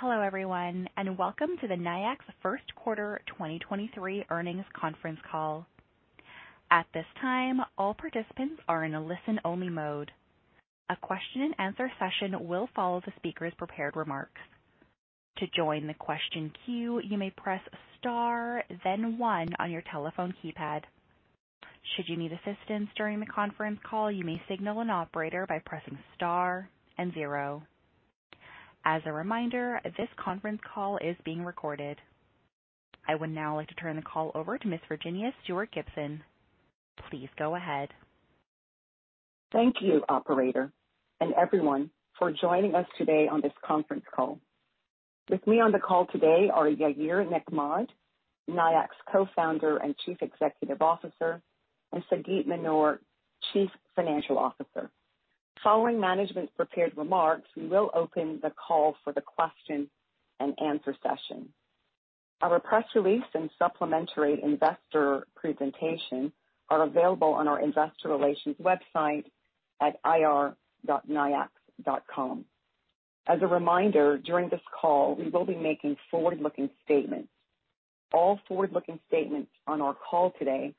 Hello everyone, and welcome to the Nayax First Quarter 2023 earnings conference call. At this time, all participants are in a listen-only mode. A question and answer session will follow the speaker's prepared remarks. To join the question queue, you may press star then 1 on your telephone keypad. Should you need assistance during the conference call, you may signal an operator by pressing star and 0. As a reminder, this conference call is being recorded. I would now like to turn the call over to Ms. Virginea Stuart Gibson. Please go ahead. Thank you operator and everyone for joining us today on this conference call. With me on the call today are Yair Nechmad, Nayax Co-Founder and Chief Executive Officer, and Sagit Manor, Chief Financial Officer. Following management prepared remarks, we will open the call for the question and answer session. Our press release and supplementary investor presentation are available on our investor relations website at ir.nayax.com. As a reminder, during this call we will be making forward-looking statements. All forward-looking statements on our call today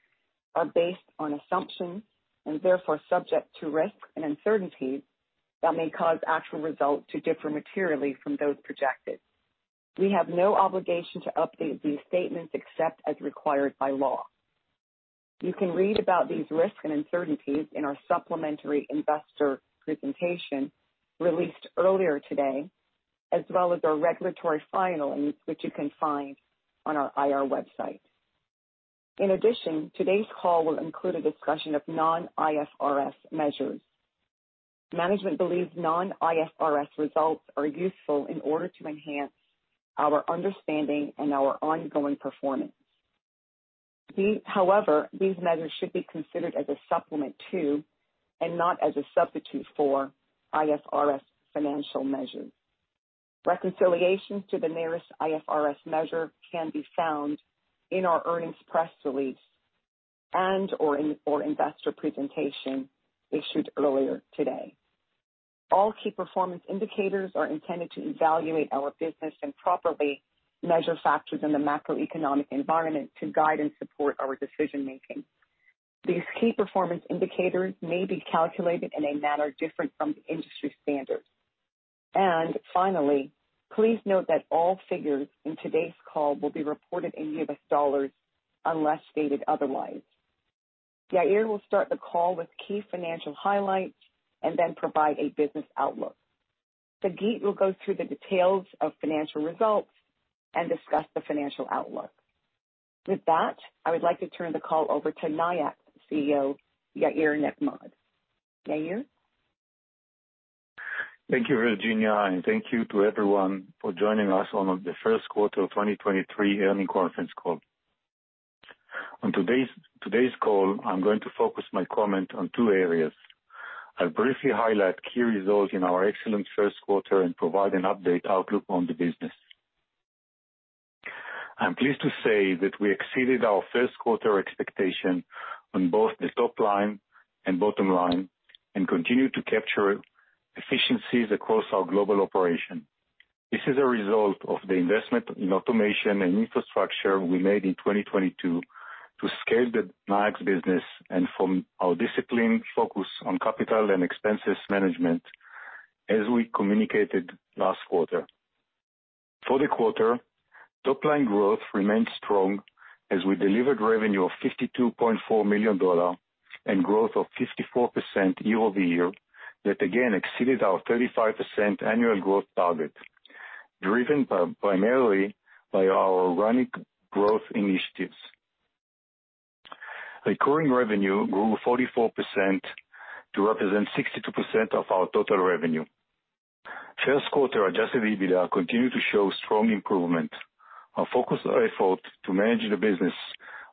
are based on assumptions and therefore subject to risks and uncertainties that may cause actual results to differ materially from those projected. We have no obligation to update these statements except as required by law. You can read about these risks and uncertainties in our supplementary investor presentation released earlier today, as well as our regulatory filings, which you can find on our I.R. website. In addition, today's call will include a discussion of non-IFRS measures. Management believes non-IFRS results are useful in order to enhance our understanding and our ongoing performance. However, these measures should be considered as a supplement to, and not as a substitute for, IFRS financial measures. Reconciliations to the nearest IFRS measure can be found in our earnings press release and/or investor presentation issued earlier today. All key performance indicators are intended to evaluate our business and properly measure factors in the macroeconomic environment to guide and support our decision-making. These key performance indicators may be calculated in a manner different from the industry standard. Finally, please note that all figures in today's call will be reported in U.S. dollars unless stated otherwise. Yair will start the call with key financial highlights and then provide a business outlook. Sagit will go through the details of financial results and discuss the financial outlook. With that, I would like to turn the call over to Nayax CEO, Yair Nechmad. Yair? Thank you, Virginia, thank you to everyone for joining us on the first quarter of 2023 earnings conference call. On today's call, I'm going to focus my comment on two areas. I'll briefly highlight key results in our excellent first quarter and provide an update outlook on the business. I'm pleased to say that we exceeded our first quarter expectation on both the top line and bottom line and continue to capture efficiencies across our global operation. This is a result of the investment in automation and infrastructure we made in 2022 to scale the Nayax business and from our disciplined focus on capital and expense management, as we communicated last quarter. For the quarter, top line growth remained strong as we delivered revenue of $52.4 million and growth of 54% year-over-year, that again exceeded our 35% annual growth target, driven primarily by our organic growth initiatives. Recurring revenue grew 44% to represent 62% of our total revenue. First quarter Adjusted EBITDA continued to show strong improvement. Our focused effort to manage the business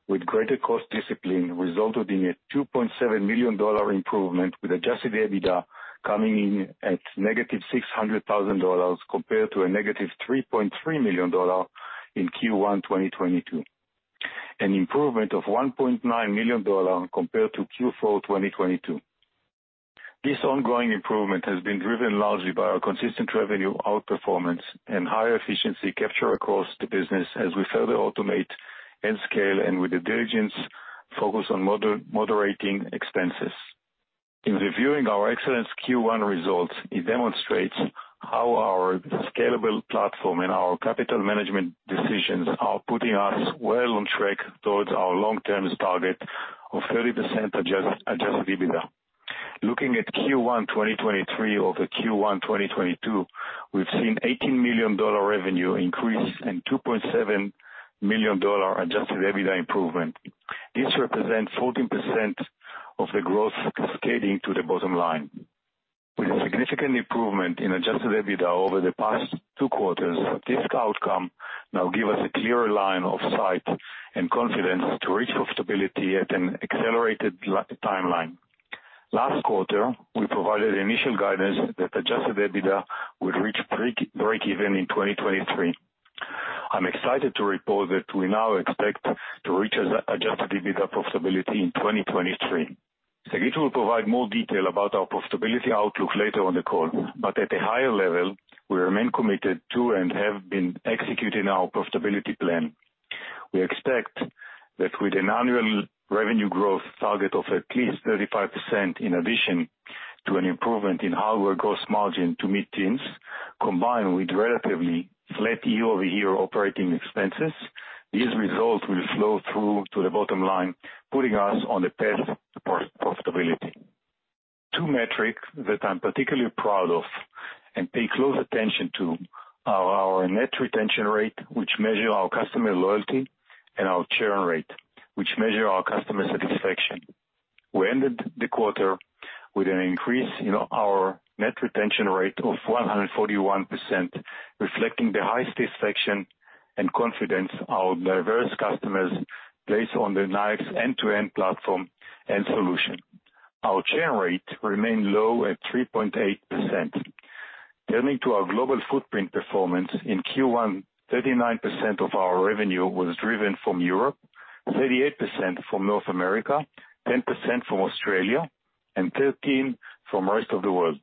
with greater cost discipline resulted in a $2.7 million improvement with Adjusted EBITDA coming in at -$600,000 compared to a -$3.3 million in Q1 2022, an improvement of $1.9 million compared to Q4 2022. This ongoing improvement has been driven largely by our consistent revenue outperformance and higher efficiency capture across the business as we further automate and scale with a diligence focus on moderating expenses. In reviewing our excellence Q1 results, it demonstrates how our scalable platform and our capital management decisions are putting us well on track towards our long-term target of 30% Adjusted EBITDA. Looking at Q1 2023 over Q1 2022, we've seen $18 million revenue increase and $2.7 million Adjusted EBITDA improvement. This represents 14% of the growth cascading to the bottom line. With a significant improvement in Adjusted EBITDA over the past two quarters, this outcome now give us a clearer line of sight and confidence to reach profitability at an accelerated timeline. Last quarter, we provided initial guidance that Adjusted EBITDA would reach break even in 2023. I'm excited to report that we now expect to reach Adjusted EBITDA profitability in 2023. Sagit will provide more detail about our profitability outlook later on the call. At a higher level, we remain committed to and have been executing our profitability plan. We expect that with an annual revenue growth target of at least 35%, in addition to an improvement in hardware gross margin to mid-teens, combined with relatively flat year-over-year operating expenses, these results will flow through to the bottom line, putting us on the path to profitability. Two metrics that I'm particularly proud of and pay close attention to are our net retention rate, which measure our customer loyalty, and our churn rate, which measure our customer satisfaction. We ended the quarter with an increase in our net retention rate of 141%, reflecting the high satisfaction and confidence our diverse customers place on the Nayax end-to-end platform and solution. Our churn rate remained low at 3.8%. Turning to our global footprint performance, in Q1, 39% of our revenue was driven from Europe, 38% from North America, 10% from Australia, and 13% from rest of the world.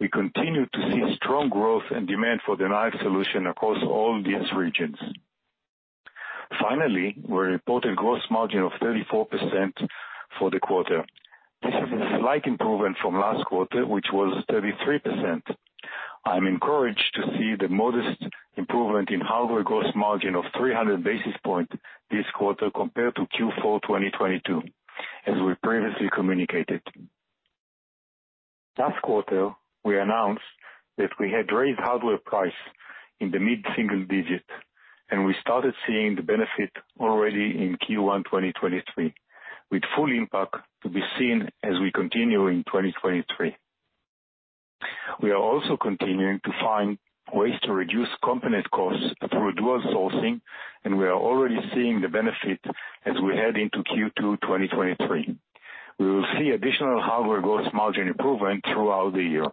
We continue to see strong growth and demand for Nayax solution across all these regions. We reported gross margin of 34% for the quarter. This is a slight improvement from last quarter, which was 33%. I'm encouraged to see the modest improvement in hardware gross margin of 300 basis points this quarter compared to Q4 2022, as we previously communicated. Last quarter, we announced that we had raised hardware price in the mid-single digit. We started seeing the benefit already in Q1, 2023, with full impact to be seen as we continue in 2023. We are also continuing to find ways to reduce component costs through dual sourcing. We are already seeing the benefit as we head into Q2, 2023. We will see additional hardware gross margin improvement throughout the year.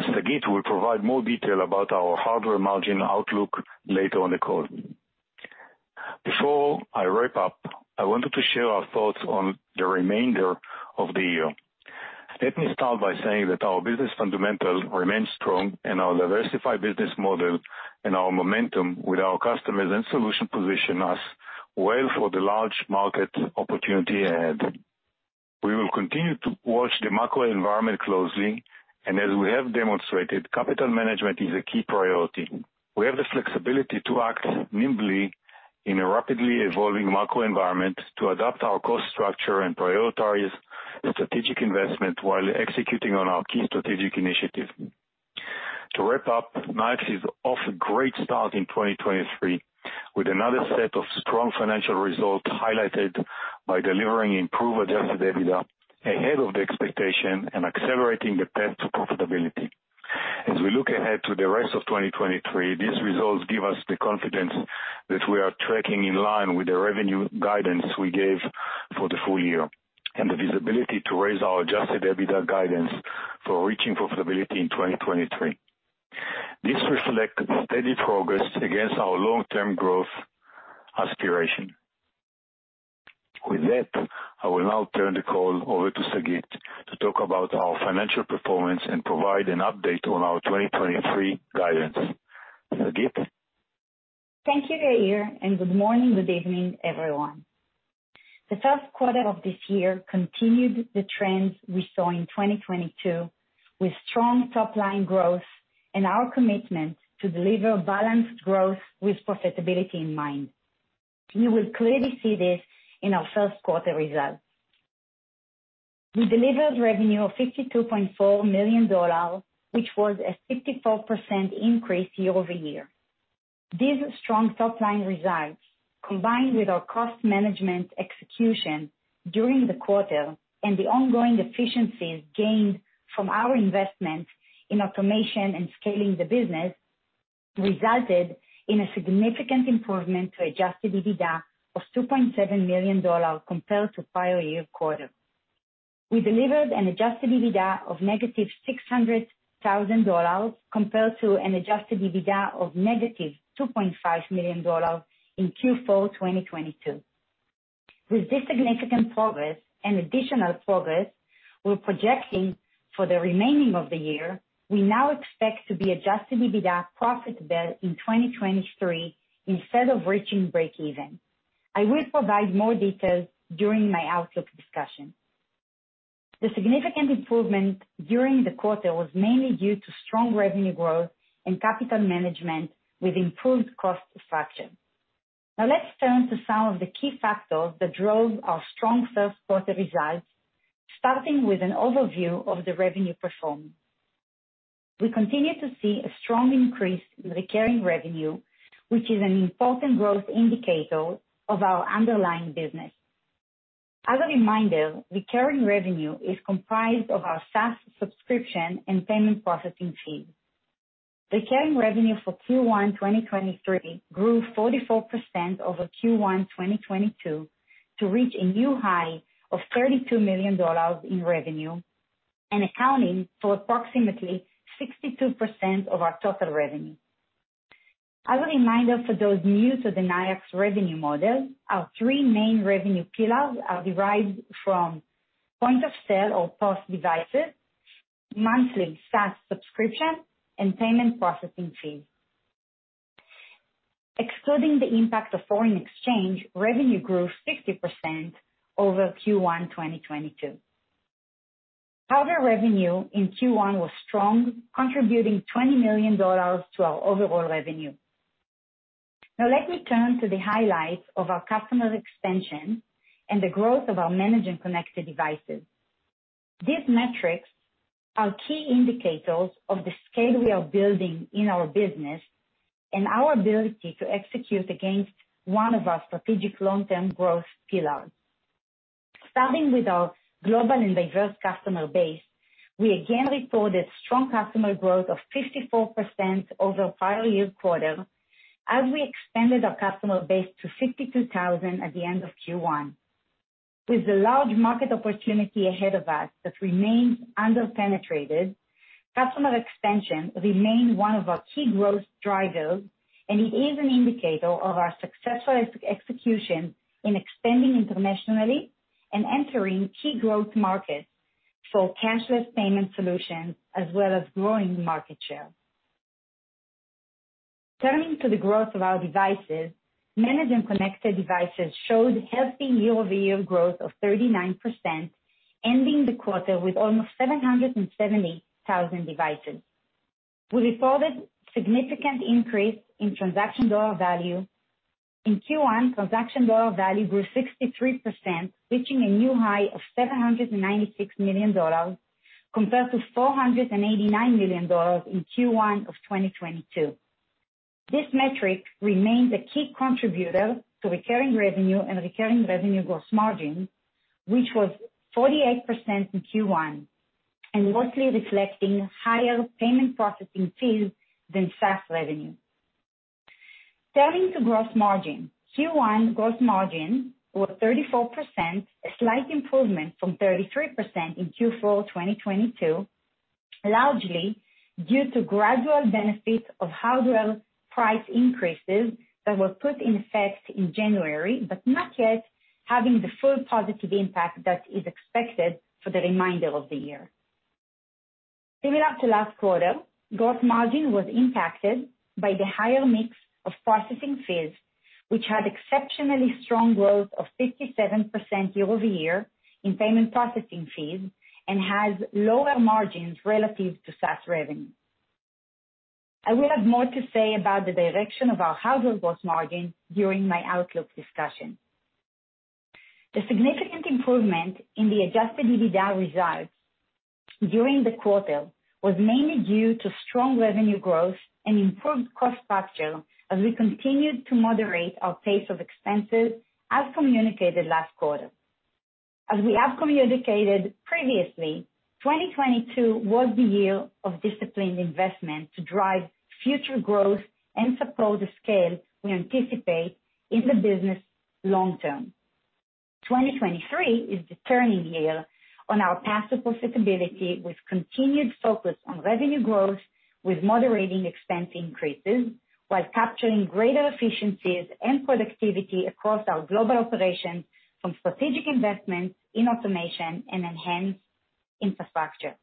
Sagit will provide more detail about our hardware margin outlook later on the call. Before I wrap up, I wanted to share our thoughts on the remainder of the year. Let me start by saying that our business fundamentals remain strong. Our diversified business model and our momentum with our customers and solution position us well for the large market opportunity ahead. We will continue to watch the macro environment closely. As we have demonstrated, capital management is a key priority. We have the flexibility to act nimbly in a rapidly evolving macro environment to adapt our cost structure and prioritize strategic investment while executing on our key strategic initiatives. To wrap up, Nayax is off a great start in 2023 with another set of strong financial results, highlighted by delivering improved Adjusted EBITDA ahead of the expectation and accelerating the path to profitability. As we look ahead to the rest of 2023, these results give us the confidence that we are tracking in line with the revenue guidance we gave for the full year and the visibility to raise our Adjusted EBITDA guidance for reaching profitability in 2023. This reflects steady progress against our long-term growth aspiration. With that, I will now turn the call over to Sagit to talk about our financial performance and provide an update on our 2023 guidance. Sagit? Thank you, Yair. Good morning, good evening, everyone. The first quarter of this year continued the trends we saw in 2022, with strong top-line growth and our commitment to deliver balanced growth with profitability in mind. You will clearly see this in our first quarter results. We delivered revenue of $52.4 million, which was a 54% increase year-over-year. These strong top-line results, combined with our cost management execution during the quarter and the ongoing efficiencies gained from our investments in automation and scaling the business, resulted in a significant improvement to Adjusted EBITDA of $2.7 million compared to prior year quarter. We delivered an Adjusted EBITDA of -$600,000 compared to an Adjusted EBITDA of -$2.5 million in Q4, 2022. With this significant progress and additional progress we're projecting for the remaining of the year, we now expect to be Adjusted EBITDA profitable in 2023 instead of reaching breakeven. I will provide more details during my outlook discussion. The significant improvement during the quarter was mainly due to strong revenue growth and capital management with improved cost structure. Let's turn to some of the key factors that drove our strong first quarter results, starting with an overview of the revenue performance. We continue to see a strong increase in recurring revenue, which is an important growth indicator of our underlying business. As a reminder, recurring revenue is comprised of our SaaS subscription and payment processing fees. Recurring revenue for Q1 2023 grew 44% over Q1 2022 to reach a new high of $32 million in revenue. Accounting for approximately 62% of our total revenue. As a reminder for those new to the Nayax revenue model, our three main revenue pillars are derived from point of sale or POS devices, monthly SaaS subscription, and payment processing fees. Excluding the impact of foreign exchange, revenue grew 60% over Q1 2022. Hardware revenue in Q1 was strong, contributing $20 million to our overall revenue. Let me turn to the highlights of our customer expansion and the growth of our managed and connected devices. These metrics are key indicators of the scale we are building in our business and our ability to execute against one of our strategic long-term growth pillars. Starting with our global and diverse customer base, we again reported strong customer growth of 54% over prior year quarter as we expanded our customer base to 62,000 at the end of Q1. With the large market opportunity ahead of us that remains under-penetrated, customer expansion remains one of our key growth drivers, it is an indicator of our successful execution in expanding internationally and entering key growth markets for cashless payment solutions, as well as growing market share. Turning to the growth of our devices, managed and connected devices showed healthy year-over-year growth of 39%, ending the quarter with almost 770,000 devices. We reported significant increase in total transaction value. In Q1, total transaction value grew 63%, reaching a new high of $796 million compared to $489 million in Q1 of 2022. This metric remains a key contributor to recurring revenue and recurring revenue gross margin, which was 48% in Q1 and mostly reflecting higher payment processing fees than SaaS revenue. Turning to gross margin, Q1 gross margin was 34%, a slight improvement from 33% in Q4 2022, largely due to gradual benefits of hardware price increases that were put in effect in January, but not yet having the full positive impact that is expected for the remainder of the year. Similar to last quarter, gross margin was impacted by the higher mix of processing fees, which had exceptionally strong growth of 57% year-over-year in payment processing fees and has lower margins relative to SaaS revenue. I will have more to say about the direction of our hardware gross margin during my outlook discussion. The significant improvement in the Adjusted EBITDA results during the quarter was mainly due to strong revenue growth and improved cost structure as we continued to moderate our pace of expenses as communicated last quarter. As we have communicated previously, 2022 was the year of disciplined investment to drive future growth and support the scale we anticipate in the business long term. 2023 is the turning year on our path to profitability with continued focus on revenue growth, with moderating expense increases while capturing greater efficiencies and productivity across our global operations from strategic investments in automation and enhanced infrastructure.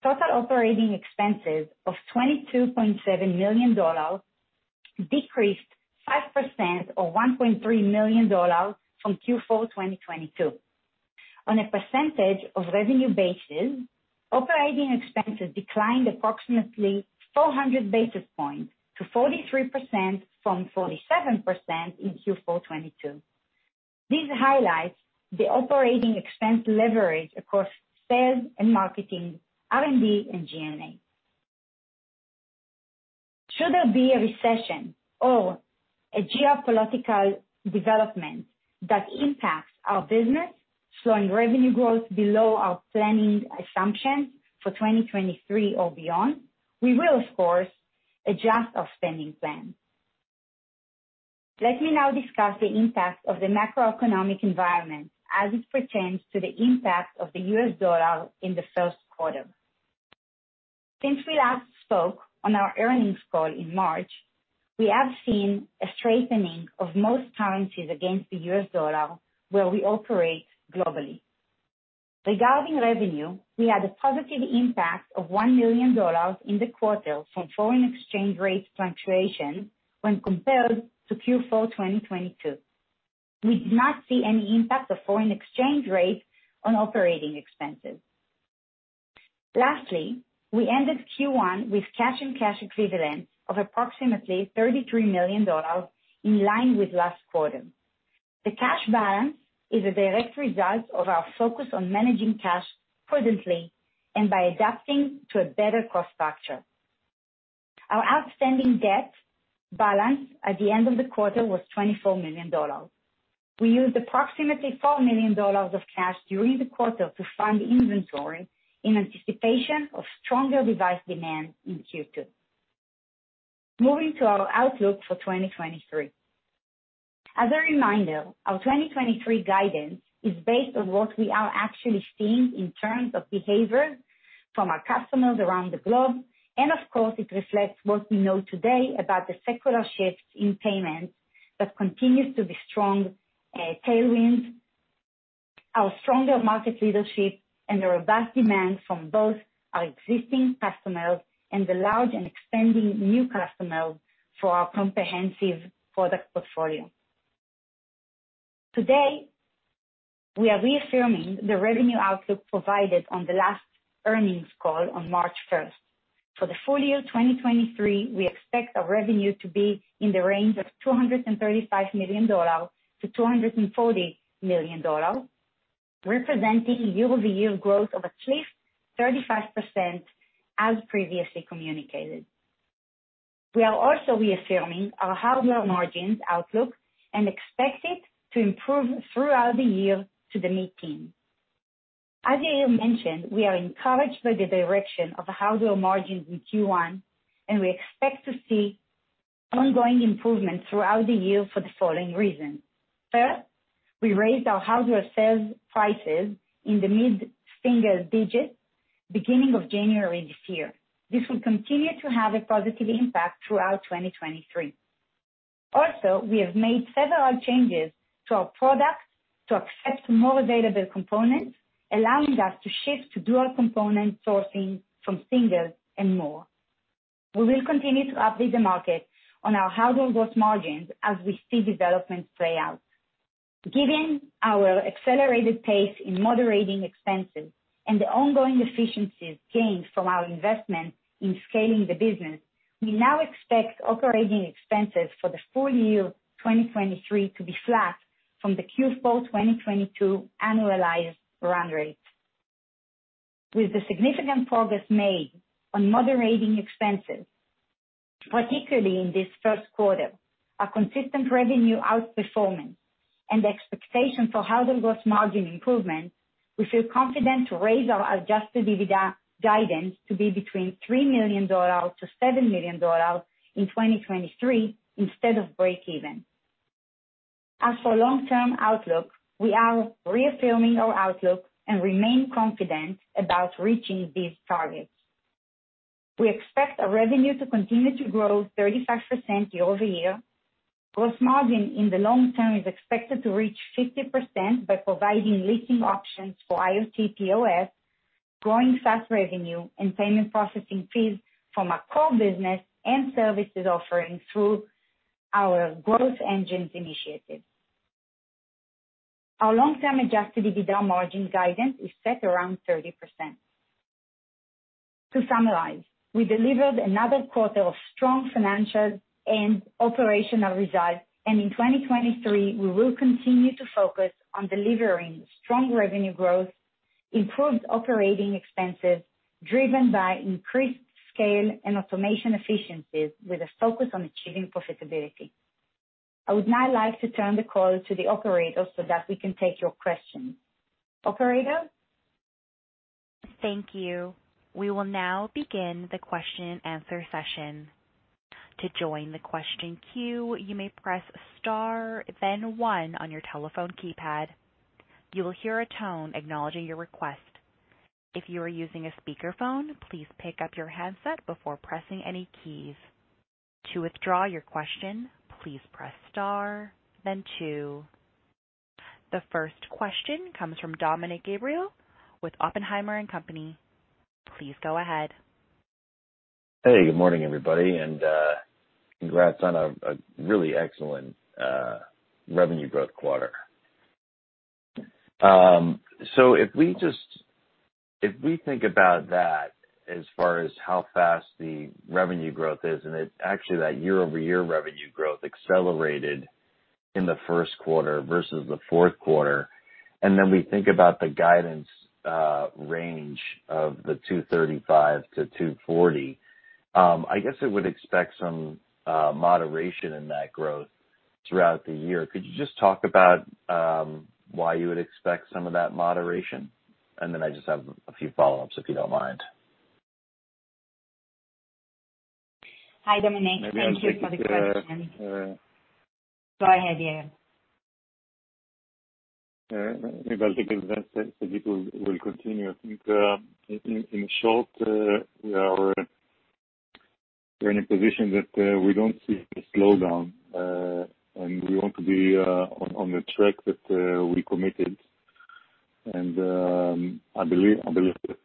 Total operating expenses of $22.7 million decreased 5% or $1.3 million from Q4 2022. On a percentage of revenue basis, operating expenses declined approximately 400 basis points to 43% from 47% in Q4 2022. This highlights the operating expense leverage across sales and marketing, R&D, and G&A. Should there be a recession or a geopolitical development that impacts our business, slowing revenue growth below our planning assumptions for 2023 or beyond, we will of course adjust our spending plans. Let me now discuss the impact of the macroeconomic environment as it pertains to the impact of the U.S. dollar in the first quarter. Since we last spoke on our earnings call in March, we have seen a strengthening of most currencies against the U.S. dollar where we operate globally. Regarding revenue, we had a positive impact of $1 million in the quarter from foreign exchange rate fluctuation when compared to Q4 2022. We did not see any impact of foreign exchange rates on operating expenses. Lastly, we ended Q1 with cash and cash equivalents of approximately $33 million in line with last quarter. The cash balance is a direct result of our focus on managing cash prudently and by adapting to a better cost structure. Our outstanding debt balance at the end of the quarter was $24 million. We used approximately $4 million of cash during the quarter to fund inventory in anticipation of stronger device demand in Q2. Moving to our outlook for 2023. As a reminder, our 2023 guidance is based on what we are actually seeing in terms of behavior from our customers around the globe. And of course, it reflects what we know today about the secular shift in payments that continues to be strong, tailwind. Our stronger market leadership and the robust demand from both our existing customers and the large and expanding new customers for our comprehensive product portfolio. Today, we are reaffirming the revenue outlook provided on the last earnings call on March 1st. For the full year 2023, we expect our revenue to be in the range of $235 million-$240 million, representing year-over-year growth of at least 35% as previously communicated. We are also reaffirming our hardware margins outlook and expect it to improve throughout the year to the mid-teen. As Yair mentioned, we are encouraged by the direction of hardware margins in Q1, and we expect to see ongoing improvement throughout the year for the following reasons. First, we raised our hardware sales prices in the mid-single digits beginning of January this year. This will continue to have a positive impact throughout 2023. Also, we have made several changes to our products to accept more available components, allowing us to shift to dual component sourcing from single and more. We will continue to update the market on our hardware growth margins as we see developments play out. Given our accelerated pace in moderating expenses and the ongoing efficiencies gained from our investment in scaling the business, we now expect operating expenses for the full year 2023 to be flat from the Q4 2022 annualized run rate. With the significant progress made on moderating expenses, particularly in this first quarter, a consistent revenue outperformance and the expectation for hardware gross margin improvement, we feel confident to raise our Adjusted EBITDA guidance to be between $3 million-$7 million in 2023 instead of breakeven. As for long-term outlook, we are reaffirming our outlook and remain confident about reaching these targets. We expect our revenue to continue to grow 35% year-over-year. Gross margin in the long term is expected to reach 50% by providing leasing options for IoT POS, growing SaaS revenue, and payment processing fees from our core business and services offering through our growth engines initiative. Our long-term Adjusted EBITDA margin guidance is set around 30%. To summarize, we delivered another quarter of strong financial and operational results. In 2023, we will continue to focus on delivering strong revenue growth, improved operating expenses driven by increased scale and automation efficiencies with a focus on achieving profitability. I would now like to turn the call to the operator so that we can take your questions. Operator? Thank you. We will now begin the question and answer session. To join the question queue, you may press star then one on your telephone keypad. You will hear a tone acknowledging your request. If you are using a speakerphone, please pick up your handset before pressing any keys. To withdraw your question, please press star then two. The first question comes from Dominick Gabriele with Oppenheimer & Co. Please go ahead. Hey, good morning, everybody, and congrats on a really excellent revenue growth quarter. If we think about that as far as how fast the revenue growth is, actually, that year-over-year revenue growth accelerated in the first quarter versus the fourth quarter, and then we think about the guidance range of $235-$240, I guess it would expect some moderation in that growth throughout the year. Could you just talk about why you would expect some of that moderation? Then I just have a few follow-ups, if you don't mind. Hi, Dominick. Thank you for the question. Maybe I'll take it. Go ahead, Yair. Maybe I'll take it then Sagit will continue. I think in short, we're in a position that we don't see a slowdown, and we want to be on the track that we committed. I believe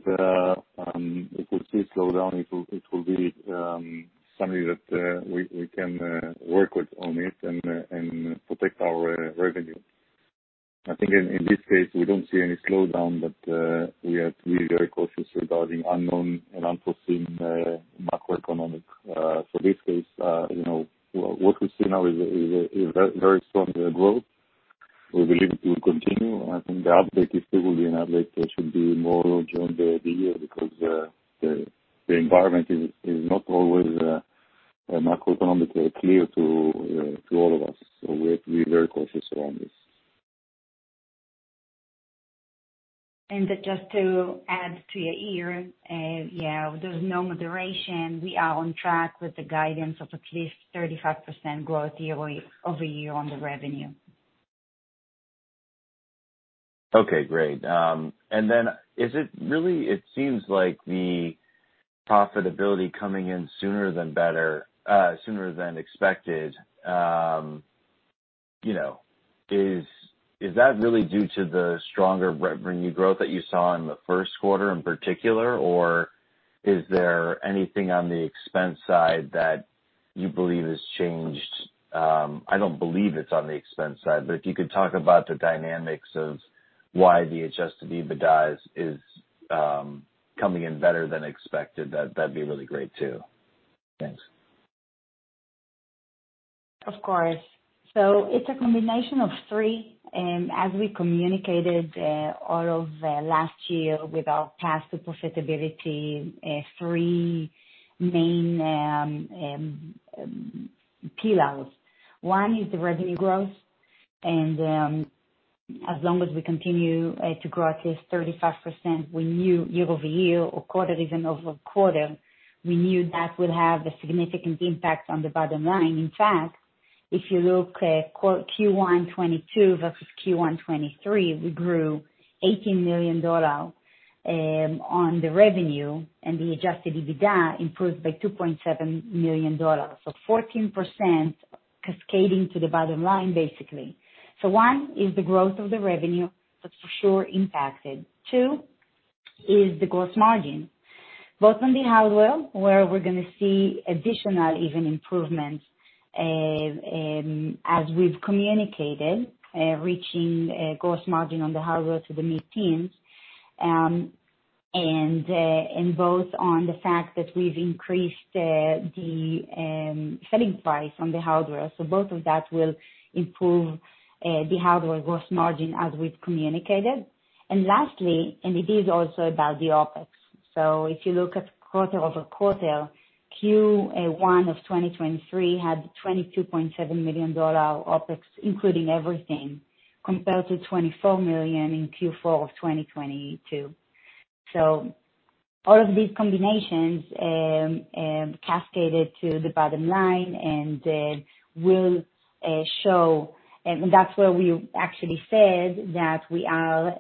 that if we see a slowdown, it will be something that we can work with on it and protect our revenue. I think in this case, we don't see any slowdown, but we have to be very cautious regarding unknown and unforeseen macroeconomic for this case. You know, what we see now is a very strong growth. We believe it will continue. I think the update is still will be an update that should be more during the year because the environment is not always macroeconomically clear to all of us. We have to be very cautious around this. Just to add to Yair, yeah, there's no moderation. We are on track with the guidance of at least 35% growth year-over-year on the revenue. Okay, great. It seems like the profitability coming in sooner than better, sooner than expected, you know, is that really due to the stronger revenue growth that you saw in the first quarter in particular, or is there anything on the expense side that you believe has changed? I don't believe it's on the expense side, if you could talk about the dynamics of why the Adjusted EBITDA is coming in better than expected, that'd be really great, too. Thanks. Of course. It's a combination of three, as we communicated all of last year with our path to profitability, three main pillars. One is the revenue growth, and as long as we continue to grow at this 35%, we knew year-over-year or quarter even over quarter, we knew that will have a significant impact on the bottom line. In fact, if you look at Q1 2022 versus Q1 2023, we grew $18 million on the revenue, and the Adjusted EBITDA improved by $2.7 million. 14% cascading to the bottom line, basically. One is the growth of the revenue. That for sure impacted. Two is the gross margin, both on the hardware, where we're gonna see additional even improvements, as we've communicated, reaching gross margin on the hardware to the mid-teens. Both on the fact that we've increased the selling price on the hardware. Both of that will improve the hardware gross margin as we've communicated. Lastly, and it is also about the OpEx. If you look at quarter-over-quarter, Q1 of 2023 had $22.7 million OpEx, including everything compared to $24 million in Q4 of 2022. All of these combinations cascaded to the bottom line, and will show... That's where we actually said that we are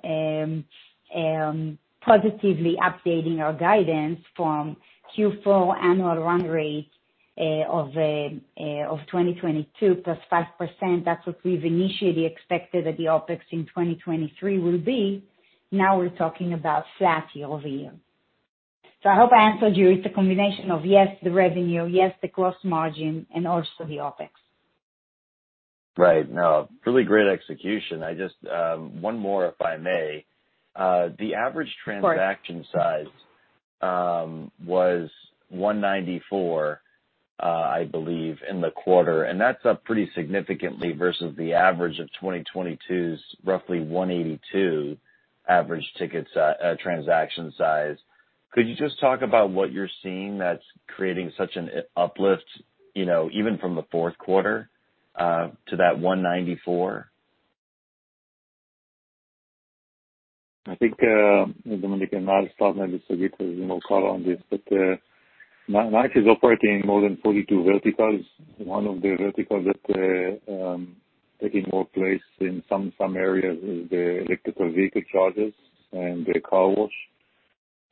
positively updating our guidance from Q4 annual run rate of 2022 +5%. That's what we've initially expected that the OpEx in 2023 will be. Now we're talking about flat year-over-year. I hope I answered you. It's a combination of, yes, the revenue, yes, the gross margin and also the OpEx. Right. No, really great execution. I just, one more if I may. Of course. Transaction size was $194, I believe, in the quarter, and that's up pretty significantly versus the average of 2022's roughly $182 average tickets, transaction size. Could you just talk about what you're seeing that's creating such an uplift, you know, even from the fourth quarter, to that $194? I think Dominique and I will start maybe because we know quite a lot on this, but Nayax is operating more than 42 verticals. One of the verticals that taking more place in some areas is the electrical vehicle charges and the car wash,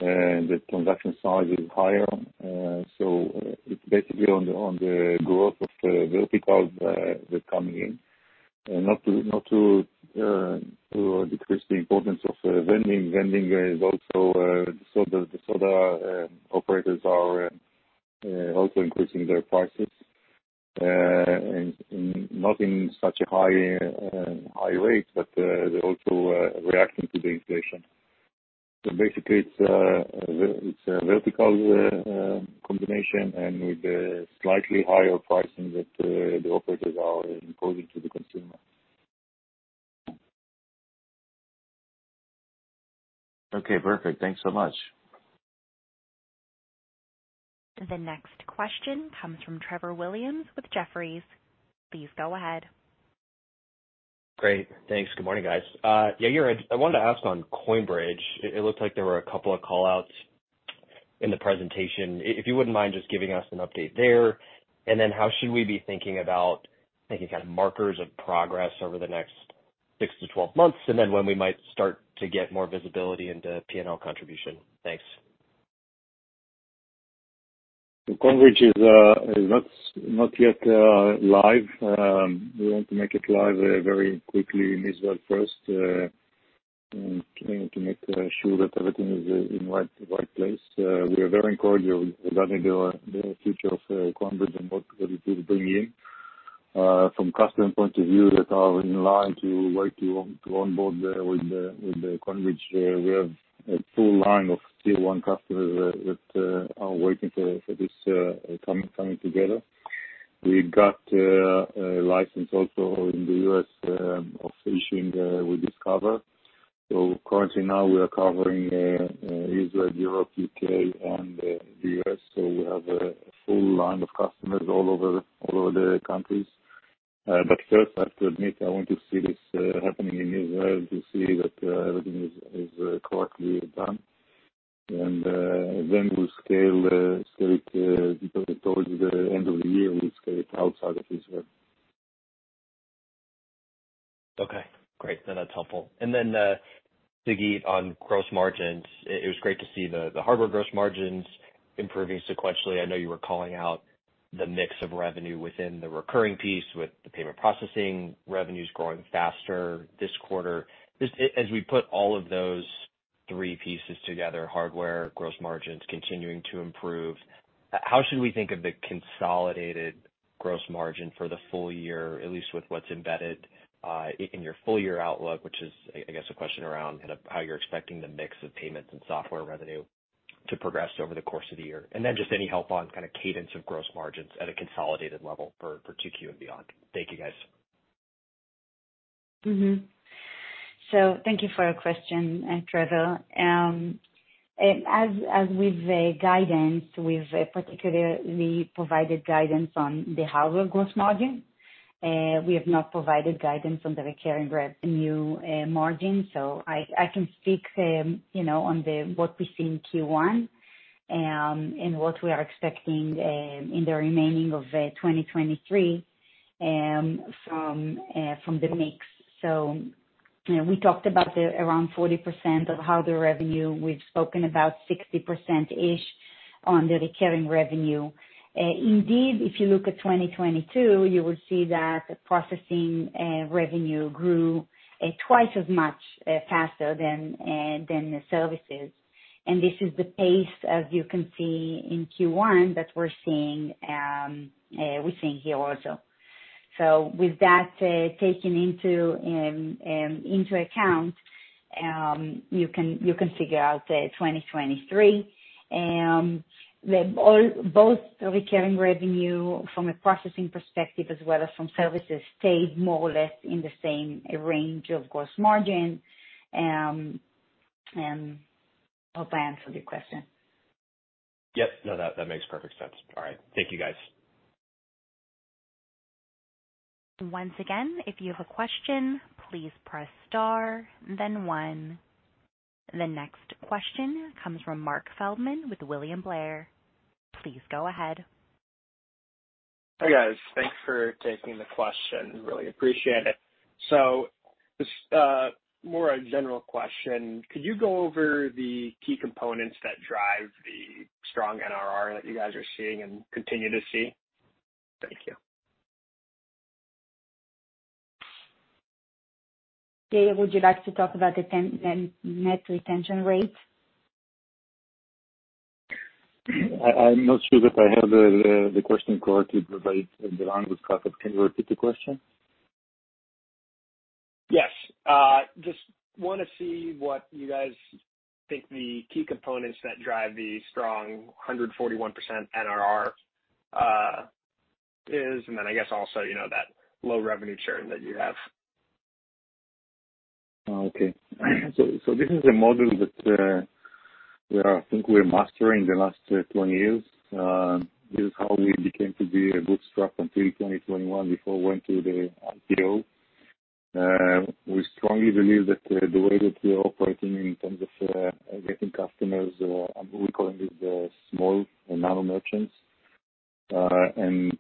and the transaction size is higher. It's basically on the growth of the verticals that are coming in. Not to, not to decrease the importance of vending. Vending is also the soda operators are also increasing their prices and not in such a high rate, but they're also reacting to the inflation. Basically it's a vertical combination and with a slightly higher pricing that the operators are imposing to the consumer. Okay, perfect. Thanks so much. The next question comes from Trevor Williams with Jefferies. Please go ahead. Great. Thanks. Good morning, guys. Yair, I wanted to ask on CoinBridge. It looked like there were a couple of call-outs in the presentation. If you wouldn't mind just giving us an update there. How should we be thinking about maybe kind of markers of progress over the next six-12 months, and then when we might start to get more visibility into P&L contribution. Thanks. CoinBridge is not yet live. We want to make it live very quickly in Israel first to make sure that everything is in right place. We are very encouraged regarding the future of CoinBridge and what it will bring in from customer point of view that are in line to wait to onboard there with the CoinBridge. We have a full line of tier one customers with are waiting for this coming together. We got a license also in the U.S. of issuing with Discover. Currently now we are covering Israel, Europe, U.K. and the U.S. We have a full line of customers all over the countries. First I have to admit, I want to see this happening in Israel to see that everything is correctly done. Then we'll scale it towards the end of the year, we'll scale it outside of Israel. Okay. Great. That's helpful. Sagit, on gross margins, it was great to see the hardware gross margins improving sequentially. I know you were calling out the mix of revenue within the recurring piece with the payment processing revenues growing faster this quarter. Just as we put all of those three pieces together, hardware gross margins continuing to improve, how should we think of the consolidated gross margin for the full year, at least with what's embedded in your full year outlook, which is, I guess a question around kind of how you're expecting the mix of payments and software revenue to progress over the course of the year. Just any help on kind of cadence of gross margins at a consolidated level for 2Q and beyond. Thank you, guys. Thank you for your question, Trevor. As with the guidance, we've particularly provided guidance on the hardware gross margin. We have not provided guidance on the recurring re-new margin. I can speak, you know, on the, what we see in Q1, and what we are expecting in the remaining of 2023 from the mix. You know, we talked about the around 40% of hardware revenue. We've spoken about 60%-ish on the recurring revenue. Indeed, if you look at 2022, you will see that processing revenue grew twice as much faster than the services. This is the pace, as you can see in Q1, that we're seeing here also. With that, taken into account, you can figure out 2023. Both recurring revenue from a processing perspective as well as from services stayed more or less in the same range of gross margin. Hope I answered your question. Yep. No, that makes perfect sense. All right. Thank you, guys. Once again, if you have a question, please press star then one. The next question comes from Marc Feldman with William Blair. Please go ahead. Hi, guys. Thanks for taking the question. Really appreciate it. Just, more a general question. Could you go over the key components that drive the strong NRR that you guys are seeing and continue to see? Thank you. Yair, would you like to talk about the 10 net retention rate? I'm not sure that I have the question correctly, and the line was cut. Can you repeat the question? Yes. just wanna see what you guys think the key components that drive the strong 141% NRR, is, and then I guess also, you know, that low revenue churn that you have. Okay. This is a model that we are, I think we are mastering the last 20 years. This is how we became to be a bootstrap until 2021 before we went to the IPO. We strongly believe that the way that we are operating in terms of getting customers, I'm recalling it, the small nano merchants, and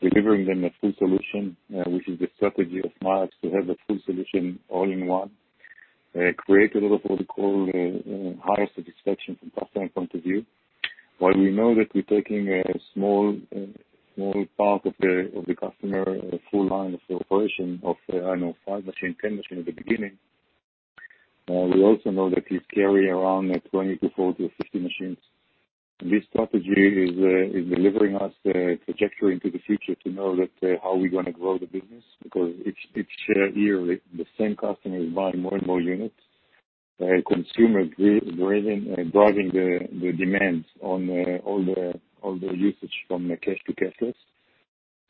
delivering them a full solution, which is the strategy of Nayax to have a full solution all in one, create a little what we call higher satisfaction from customer point of view. While we know that we're taking a small part of the customer, full line of operation of, I don't know, five machine, 10 machine at the beginning, we also know that we carry around, 20 to 40 to 50 machines. This strategy is delivering us trajectory into the future to know that how we're gonna grow the business because each year, the same customer is buying more and more units. Consumer driving the demand on the usage from the cash to cashless.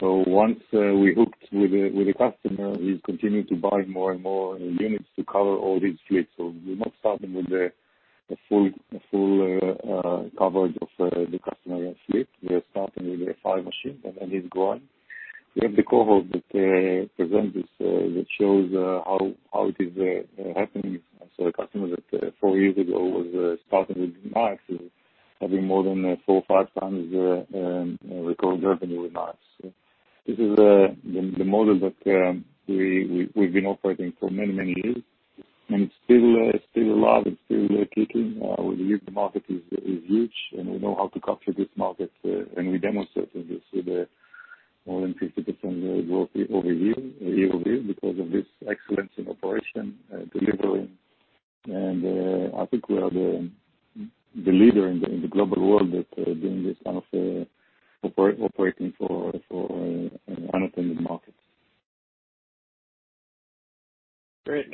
Once we hooked with the customer, he's continuing to buy more and more units to cover all his fleets. We're not starting with the full coverage of the customer fleet. We are starting with a five machine. It's growing. We have the cohort that present this that shows how it is happening. A customer that four years ago was starting with Nayax is having more than 4 or 5x record revenue with Nayax. This is the model that we've been operating for many, many years. It's still alive. It's still kicking. We believe the market is huge. We know how to capture this market. We demonstrated this with more than 50% growth year-over-year because of this excellence in operation delivery. I think we are the leader in the global world at doing this kind of operating for unattended markets. Great.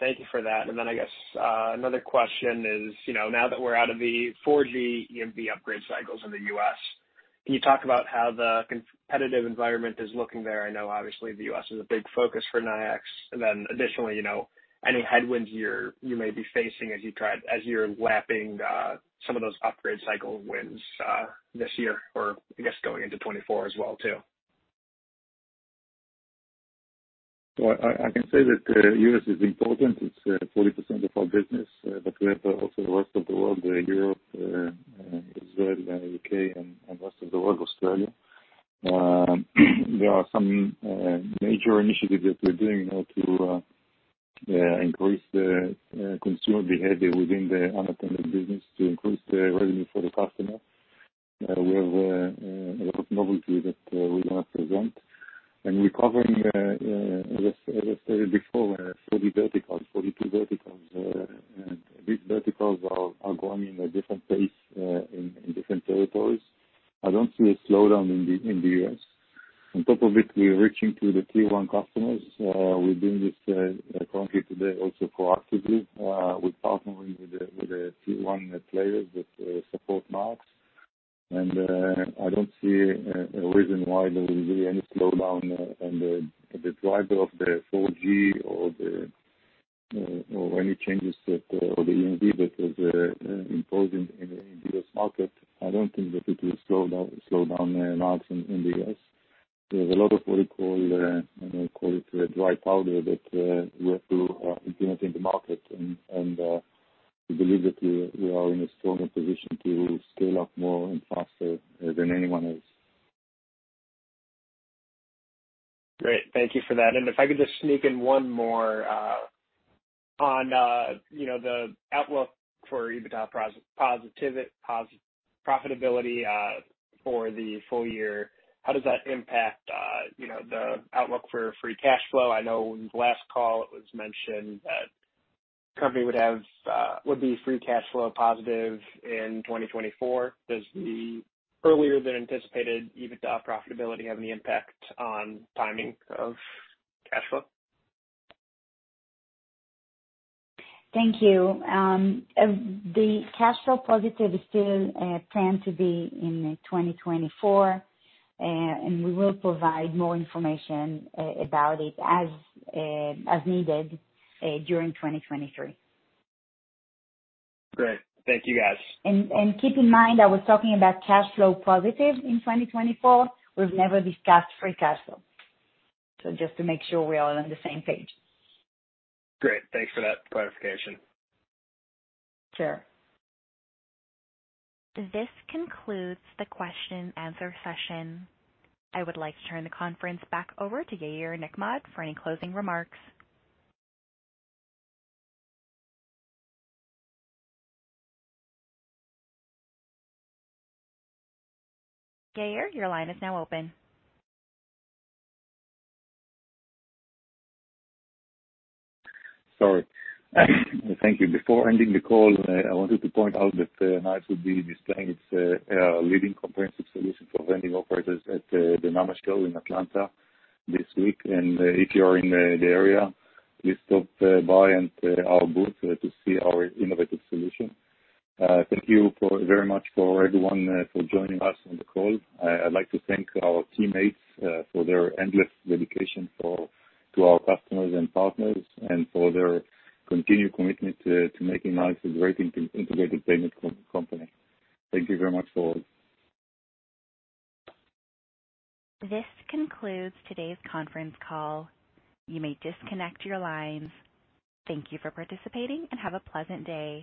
Thank you for that. I guess, another question is, you know, now that we're out of the 4G EMV upgrade cycles in the U.S., can you talk about how the competitive environment is looking there? I know obviously the U.S. is a big focus for Nayax. Additionally, you know, any headwinds you may be facing as you're lapping, some of those upgrade cycle wins, this year or I guess going into 2024 as well too. I can say that U.S. is important. It's 40% of our business, but we have also the rest of the world, Europe, Israel, the U.K. and rest of the world, Australia. There are some major initiatives that we're doing now to increase the consumer behavior within the unattended business to increase the revenue for the customer. We have a lot of novelty that we're gonna present. We're covering, as I said before, 40 verticals, 42 verticals. These verticals are growing in a different pace in different territories. I don't see a slowdown in the U.S. On top of it, we're reaching to the Tier 1 customers. We're doing this currently today also proactively with partnering with the Tier 1 players that support [Marks]. I don't see a reason why there will be any slowdown on the driver of the 4G or any changes that or the EMV that was imposed in the U.S. market. I don't think that it will slow down [Marks] in the U.S. There's a lot of what you call call it dry powder that we have to implement in the market. We believe that we are in a stronger position to scale up more and faster than anyone else. Great. Thank you for that. If I could just sneak in one more, on, you know, the outlook for EBITDA profitability, for the full year. How does that impact, you know, the outlook for free cash flow? I know in the last call it was mentioned that company would have, would be free cash flow positive in 2024. Does the earlier than anticipated EBITDA profitability have any impact on timing of cash flow? Thank you. The cash flow positive is still planned to be in 2024. We will provide more information about it as needed during 2023. Great. Thank you guys. Keep in mind I was talking about cash flow positive in 2024. We've never discussed free cash flow. Just to make sure we're all on the same page. Great. Thanks for that clarification. Sure. This concludes the question and answer session. I would like to turn the conference back over to Yair Nechmad for any closing remarks. Yair, your line is now open. Sorry. Thank you. Before ending the call, I wanted to point out that Nayax will be displaying its leading comprehensive solution for vending operators at the NAMA Show in Atlanta this week. If you are in the area, please stop by at our booth to see our innovative solution. Thank you for very much for everyone for joining us on the call. I'd like to thank our teammates for their endless dedication to our customers and partners and for their continued commitment to making Nayax a great integrated payment company. Thank you very much to all. This concludes today's conference call. You may disconnect your lines. Thank you for participating, and have a pleasant day.